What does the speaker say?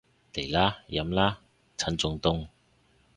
嚟啦，飲啦，趁仲凍